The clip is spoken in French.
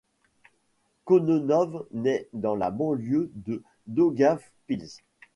Kononov naît dans la banlieue de Daugavpils.